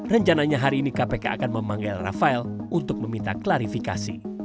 rencananya hari ini kpk akan memanggil rafael untuk meminta klarifikasi